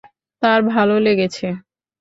তার ভালো লেগেছে?